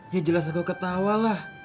ya jelas aku ketawalah